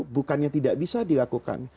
bukannya tidak bisa dilakukan